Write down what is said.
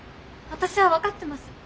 私は分かってます。